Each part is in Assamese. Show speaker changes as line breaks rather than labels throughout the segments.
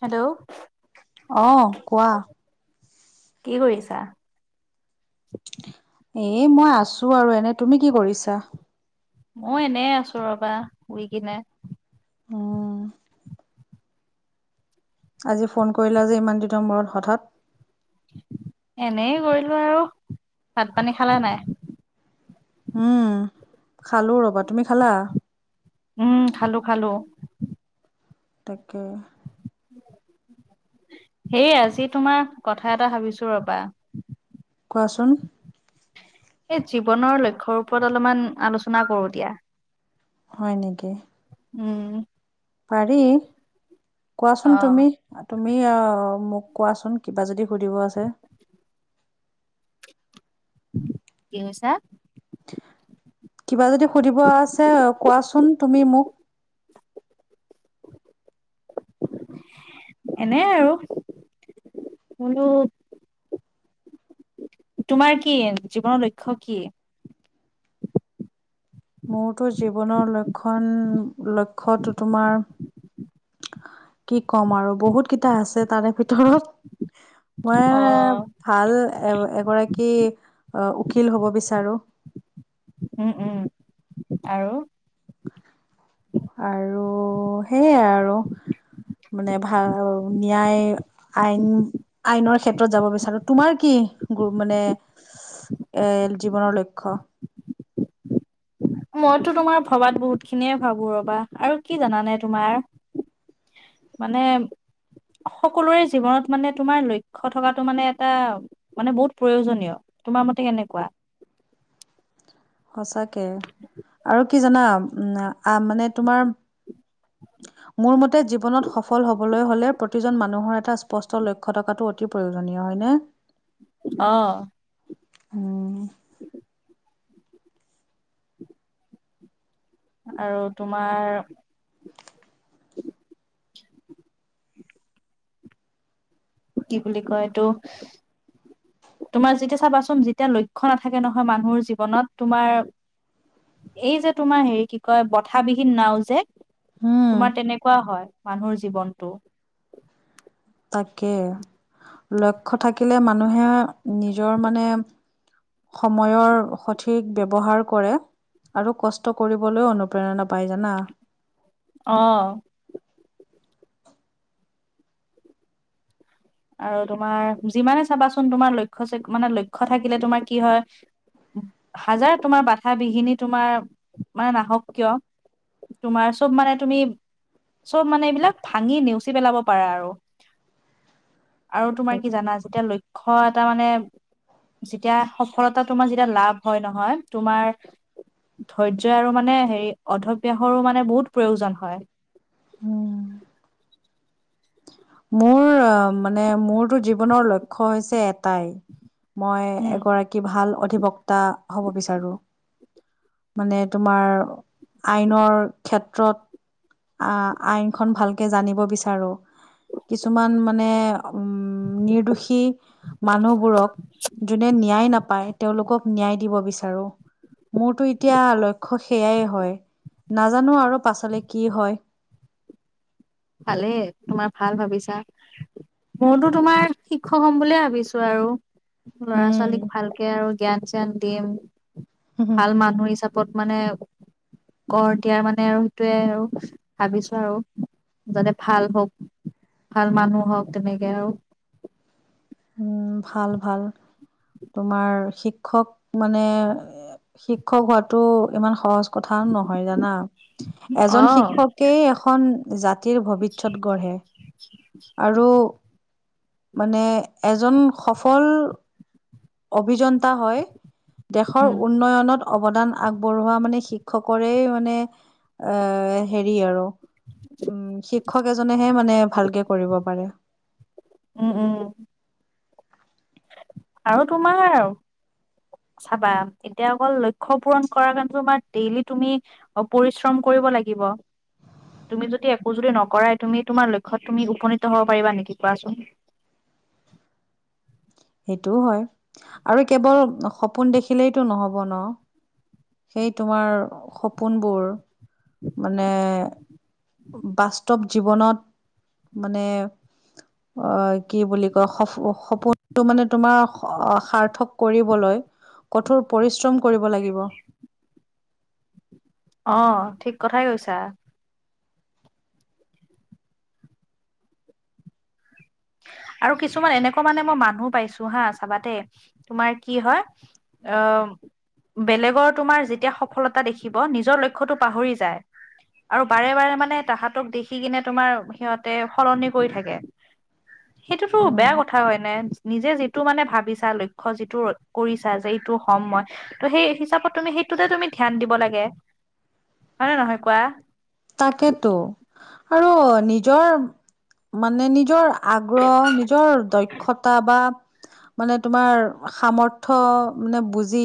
হেল্ল'।
অ কোৱা।
কি কৰিছা?
এ মই আছো আৰু এনে। তুমি কি কৰিছা?
মই এনে আছো ৰবা শুই কিনে।
উম আজি ফোন কৰিলা যে ইমান দিনৰ মূৰত হঠাৎ।
এনেই কৰিলো আৰু। ভাত পানী খালে নাই?
উম খালোঁ ৰবা। তুমি খালা?
উম খালোঁ খালোঁ।
তাকে।
সেই আজি তোমাৰ কথা এটা ভাবিছোঁ ৰবা।
কোৱাচোন।
এই জীৱনৰ লক্ষ্যৰ ওপৰত অলপমান আলোচনা কৰো দিয়া।
হয় নেকি।
উম।
পাৰি কোৱাচোন
অহ
তুমি তুমি আহ মোক। কোৱাচোন কিবা যদি সুধিব আছে।
কি কৈছা?
কিবা যদি সুধিব আছে কোৱাচোন তুমি মোক।
[unintelligible] এনে আৰু কোনো। তোমাৰ কি জীৱনৰ লক্ষ্য কি?।
মোৰতো জীৱনৰ লক্ষণ লক্ষ্যটো তোমাৰ। কি ক'ম আৰু বহুত কেইটা আছে তাৰে ভিতৰত,। মই
অ।
ভাল এ এগৰাকী- কি উকিল হ'ব বিচাৰোঁ।
উম উম আৰু-
আৰু সেইয়াই আৰু মানে ভাল- ন্যায় আইন আইনৰ ক্ষেত্ৰত যাব বিচাৰো তোমাৰ কি গ মানে। এৰ জীৱনৰ লক্ষ্য-
মইতো তোমাৰ ভবাত বহুত খিনিয়ে ভাবো ৰবা আৰু কি জানানে তোমাৰ। মানে। সকলোৰে জীৱনত মানে তোমাৰ লক্ষ্য থকাটো মানে এটা মানে বহুত প্ৰয়োজনীয়। তোমাৰ মতে কেনেকোৱা।
সঁচাকে আৰু কি জানা উম আ মানে তোমাৰ।
উ [unintelligible]
মোৰ মতে জীৱনত সফল হবলৈ হলে প্ৰতিজন মানুহৰ এটা স্পষ্ট লক্ষ্য থকাটো অতি প্ৰয়োজনীয়। হয় নে।
অহ।
উম।
আৰু তোমাৰ। কি বুলি কয় এইটো। তোমাৰ যেতিয়া চাবাচোন যেতিয়া লক্ষ্য নাথাকে নহয় মানুহৰ জীৱনত তোমাৰ। এই যে তোমাৰ হেৰি কি কয় বঠা বিহীন নাও যে।
উম
তোমাৰ তেনেকোৱা হয় মানুহৰ জীৱনটো।
তাকে লক্ষ্য থাকিলে মানুহে নিজৰ মানে। সময়ৰ সঠিক ব্যৱহাৰ কৰে। আৰু কষ্ট কৰিবলৈও অনুপ্ৰেৰণা পাই জানা।
অহ। আৰু তোমাৰ যিমানে চাবাচোন তোমাৰ লক্ষ্য মানে লক্ষ্য থাকিলে তোমাৰ কি হয়। হাজাৰ তোমাৰ বাধা বিঘিনী তোমাৰ মানে নাহক কিয়। তোমাৰ চব মানে তুমি- চব মানে এইবিলাক ভাঙি নেওচি পেলাব পাৰা। আৰু আৰু তোমাৰ কি
তাকে।
জানা যেতিয়া লক্ষ্য এটা মানে- যেতিয়া সফলতা তোমাৰ যেতিয়া লাভ হয় নহয় তোমাৰ। ধৈৰ্য্য আৰু মানে হেৰি অধ্যাৱসাৰো মানে বহুত প্ৰয়োজন হয়। [inaudible]
উম মোৰ অ মানে মোৰতো জীৱনৰ লক্ষ্য হৈছে এ টাই মই
উম।
এগৰাকী ভাল অধিবক্তা হব বিচাৰো। মানে তোমাৰ আইনৰ ক্ষেত্ৰত- আহ আইনখন ভালকে জানিব বিচাৰো কিছুমান- মানে উম নিৰ্দোষী মানুহবোৰক যোনে ন্যায় নাপা। ই তেওঁলোকক ন্যায় দিব বিচাৰো। মোৰতো এতিয়া লক্ষ্য সেয়াই হয় নাজানো আৰু পাছলে কি হয়।
ভালেই তোমাৰ ভাল ভাবিছা। ময়তো তোমাৰ শিক্ষক হ'ম বুলিয়ে ভাবিছো। আৰু ল'ৰা
উম।
ছোৱালীক ভালকে আৰু জ্ঞান চ্যান দিম ভাল মানুহ হিচা- পত মানে গঢ় দিয়াৰ মানে আৰু সেইটোৱে আৰু ভাবিছো। আৰু যাতে ভাল হওক ভাল মানুহ হওক। তেনেকে আৰু
উম ভাল ভাল- তোমাৰ শিক্ষক মানে শিক্ষক হোৱাতো ইমান সহজ- কথা নহয় জানা
অ
এজন শিক্ষকে এখন জা তিৰ ভৱিষ্যত গঢ়ে আৰু মানে। এজন সফল অভিযন্তা হয় দেশৰ
উম
উন্নয়নত- অৱদান আগবঢ়োৱা মানে শিক্ষকৰে মানে এ হেৰি আৰু উম। শিক্ষক এজনেহে মানে ভালকে কৰিব পাৰে।
উম উম। আৰু তোমাৰ চাবা এতিয়া অকল লক্ষ্য পূৰণ কৰা কাৰণে তোমাৰ ডেইলি তুমি অ পৰিশ্ৰম কৰিব লাগিব। তুমি যদি একো যদি নকৰাই তুমি তোমাৰ লক্ষ্যত তুমি উপনীত হব পাৰিবা নেকি কোৱাচোন? [unintelligible]
সেইটোও হয় আৰু কেৱল সপোন দেখিলেইতো নহব ন। সেই তোমাৰ সপোনবোৰ। মানে বাস্তৱ জীৱনত মানে অ কি বুলি কয় স সপোনটো মানে তোমাৰ সাৰ্থক কৰিবলৈ কঠোৰ পৰিশ্ৰম কৰিব লাগিব।
অ ঠিক কথাই কৈছা। [unintelligible] আৰু কিছুমান এনেকুৱা মানে মই মানুহ পাইছো হা চাবা দেই তোমাৰ কি হয় আহ বেলেগৰ তোমাৰ যেতিয়া সফলতা দেখিব নিজৰ লক্ষ্যটো পাহৰি যায় আৰু বাৰে বাৰে মানে তাহাতক দেখি কিনে তোমাৰ সিহঁতে সলনি কৰি থাকে। সেইটোতো বেয়া
উম
কথা হয় নে। নিজে যিটো মানে ভাবিছা লক্ষ্যটো যিটো কৰিছা যে যিটো হম মই ত সেই হিচাপত তুমি সেইটোতে তুমি ধ্যান দিব লাগে। হয় নে নহয় কোৱা?
তাকেতো আৰু নিজৰ মানে নিজৰ আগ্ৰহ নিজৰ দক্ষতা বা মানে তোমাৰ সামৰ্থ্য মানে বুজি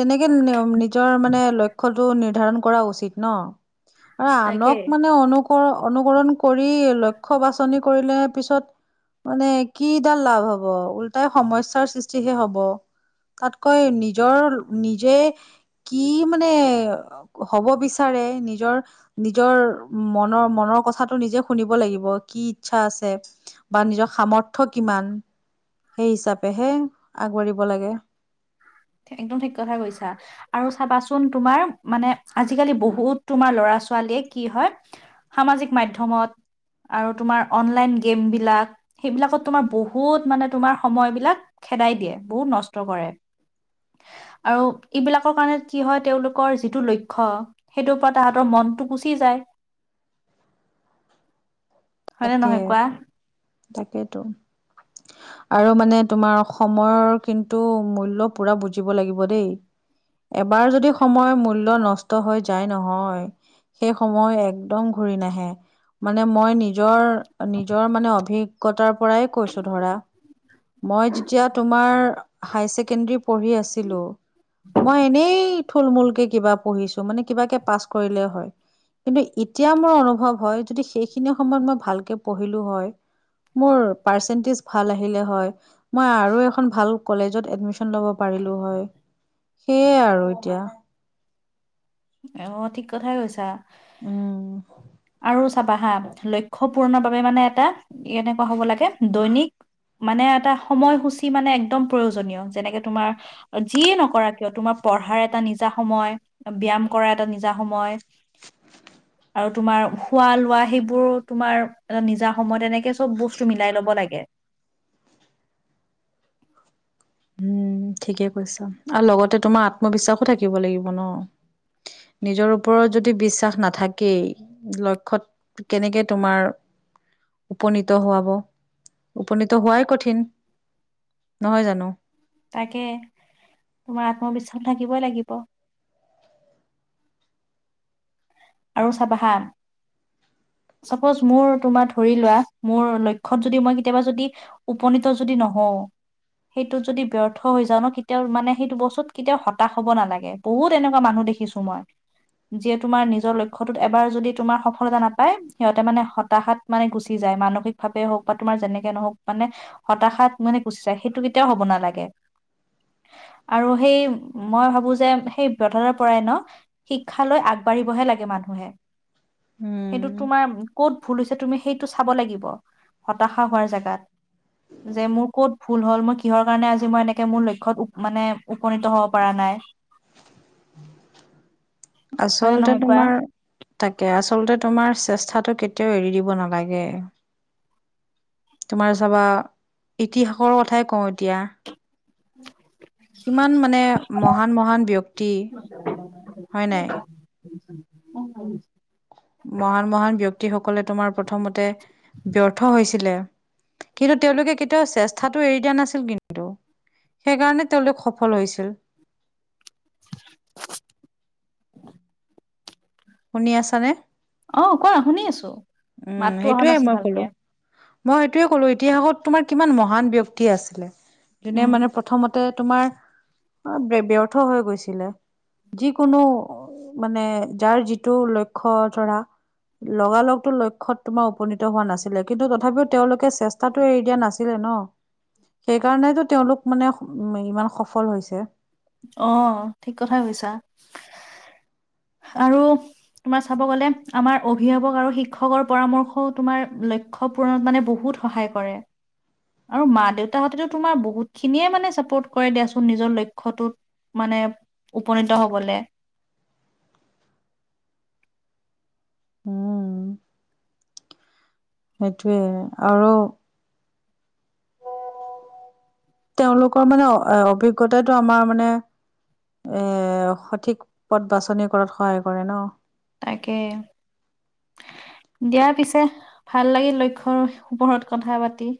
তেনেকে নিজৰ মানে লক্ষ্যটো নিৰ্ধাৰণ কৰা। উচিত ন আৰু
তাকে।
আনক মানে অনুকৰন অনুকৰণ কৰি লক্ষ্য বাছনি কৰিলে পিছত মানে কি ডাল লাভ হব ওলোটাই সমস্যাৰ সৃষ্টিহে হব। তাতকৈ নিজৰ নিজে কি মানে হব বিচাৰে নিজৰ নিজৰ মনৰ মনৰ কথাটো নিজে শুনিব লাগিব। কি ইচ্ছা আছে বা নিজৰ সামৰ্থ্য কিমান সেই হিচাপেহে আগবাঢ়িব লাগে।
একদম ঠিক কথা কৈছা। আৰু চাবাচোন তোমাৰ মানে আজিকালি বহুত তোমাৰ ল'ৰা ছোৱালীয়ে কি হয় সামাজিক মাধ্যমত আৰু তোমাৰ অনলাইন গেম বিলাক। সেইবিলাকত তোমাৰ বহুত মানে তোমাৰ সময়বিলাক খেদাই দিয়ে। বহুত নষ্ট কৰে। আৰু এইবিলাকৰ কাৰণে কি হয় তেওঁলোকৰ যিটো লক্ষ্য, সেইটোৰ পৰা তাহাঁতৰ মনটো গুচি যায়। হয়নে নহয় কোৱা?
তাকেতো।
[unintelligible]
আৰু মানে তোমাৰ সময়ৰ কিন্তু মূল্য পুৰা বুজিব লাগিব দেই। এবাৰ যদি সময়ৰ মূল্য নষ্ট হৈ যায় নহয় সেই সময় একদম ঘূৰি নাহে মানে মই নি নিজৰ মানে অভিজ্ঞতাৰ পৰাই কৈছো ধৰা। মই যেতিয়া তোমাৰ হাই ছেকেণ্ডৰী পঢ়ি আছিলোঁ মই এনেই থুল-মূলকে কিবা পঢ়িছো। মানে কিবাকে পাছ কৰিলে হয়। কিন্তু এতিয়া মোৰ অনুভৱ হয়। যদি সেইখিনি সময়ত মই ভালকে পঢ়িলো হয় মোৰ পাৰ্চেনটেজ ভাল আহিলে হয়। মই আৰু এখন ভাল কলেজত এডমিছন লব পাৰিলোঁ পাৰিলোঁ হয়। সেয়াই আৰু এতিয়া।
[unintelligible] অ ঠিক কথাই কৈছা।
উম।
আৰু চাবা হা লক্ষ্য পূৰণৰ বাবে মানে এটা এনেকুৱা হ'ব লাগে দৈনিক মানে এটা সময়সূচী মানে একদম প্ৰয়োজনীয়, যেনেকে তোমাৰ যিয়ে নকৰা কিয় তোমাৰ পঢ়াৰ এটা নিজা সময় ব্যায়াম কৰাৰ এটা নিজা সময়। আৰু তোমাৰ খোৱা লোৱা সেইবোৰ তোমাৰ এটা নিজা সময়ত এনেকে চব বস্তু মিলাই লব লাগে। [unintelligible]
উম ঠিকে কৈছ, আৰু লগতে তোমাৰ আত্মবিশ্বাসো থাকিব লাগিব ন। নিজৰ ওপৰত যদি বিশ্বাস নাথাকেই লক্ষ্যত কেনেকে তোমাৰ উপনীত হোৱাব উপনীত হোৱাই কঠিন। নহয় জানো?
তাকে তোমাৰ আত্মবিশ্বাস থাকিবই লাগিব। আৰু চাবা হা চাপোজ মোৰ তোমাৰ ধৰি লোৱা মোৰ লক্ষ্যত যদি মই কেতিয়াবা যদি উপনীত যদি নহ হও। সেইটোত যদি ব্যৰ্থ হৈ যাও ন কেতিয়াও মানে সেইটো বস্তুত কেতিয়াও হতাশ হব নালাগে বহুত এনেকুৱা মানুহ দেখিছো মই যিয়ে তোমাৰ নিজৰ লক্ষ্যটোত এবাৰ যদি তোমাৰ সফলতা নাথাকে পাই সিহঁতে মানে হতাশাত মানে গুচি যায় মানসিক ভাৱে হওক বা তোমাৰ যেনেকে নহওক মানে হতাশাত শাত মানে গুছি যায় সেইটো কেতিয়াও হ'ব নালাগে। আৰু সেই মই ভাবো যে সেই ব্যৰ্থতাৰ পৰাই ন শিক্ষালৈ আগবাঢ় বাঢ়িবহে লাগে মানুহে। সেইটো
উম
তোমাৰ ক'ত ভুল হৈছে তুমি সেইটো চাব লাগিব হতাশা হোৱাৰ জেগাত। যে মোৰ কত ভুল হ'ল মই কিহৰ কাৰণে আজি মই এনেকে মোৰ লক্ষ্যত মানে উপনীত হব পৰা নাই। [unintelligible] হয় নে
আচলতে
নহয় কোৱা
তোমাৰ তাকে আচলতে তোমাৰ চেষ্টাটো কেতিয়াও এৰি দিব নালাগে। তোমাৰ চাবা ইতিহাসৰ কথাই কওঁ এতিয়া।
[inaudible]
কিমান মানে মহান মহান ব্যক্তি, হয় নাই?
উম উ।
মহান মহান ব্যক্তিসকলে তোমাৰ প্ৰথমতে ব্যৰ্থ হৈ হৈছে। কিন্তু তেওঁলোকে কেতিয়াও চেষ্টাটো এৰি দিয়া নাছিল কিন্তু। সেইকাৰণে তেওঁলোক সফল হৈছিল।
[unintelligible]
শুনি আছানে?
অ কোৱা শুনি আছো।
উম
মাততো অহা
সেইটোয়ে
নাছিল
মই
ভালকে
কলো। মই সেইটোৱে ক'লো ইতিহাসত তোমাৰ কিমান মহান ব্যক্তি আছিলে যোনে
উম
মানে প্ৰথমতে তোমাৰ অ ব্যৰ্থ হৈ গৈছিলে। যিকোনো মানে যাৰ যিটো লক্ষ্য ধৰা। লগা লগতো লক্ষ্য তোমাৰ উপনীত হোৱা নাছিলে, কিন্তু তথাপিও তেওঁলোকে চেষ্টাটো এৰি দিয়া নাছিলে ন। সেইকাৰণতো তেওঁলোক মানে উ ইমান সফল হৈছে।
অহ ঠিক কথাই কৈছা। [inaudible] আৰু তোমাৰ চাব গলে আমাৰ অভিভাৱক আৰু শিক্ষকৰ পৰামৰ্শও তোমাৰ লক্ষ্ পূৰণত মানে বহুত সহায় কৰে। আৰু মা দেউতাহঁতেতো তোমাৰ বহুতখিনিয়ে মানে চাপোৰ্ট কৰে দিয়াচোন নিজৰ লক্ষ্যটোত মানে উপনীত হবলে।
উম। সেইটোৱে আৰু। তেওঁলোকৰ মানে অভিজ্ঞতটো আমাৰ মানে এ সঠিক পথ বাছনি কৰাত সহায় কৰে ন।
তাকে। দিয়া পিছে ভাল লাগিল লক্ষ্যৰ ওপহৰত কথা পাতি।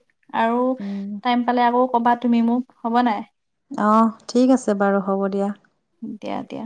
আৰু
উম
টাইম পালে আকৌ কবা তুমি মোক, হ'ব নাই?
অ ঠিক আছে বাৰু হ'ব দিয়া।
দিয়া দিয়া।